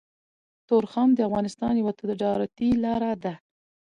تورخم د افغانستان يوه تجارتي لاره ده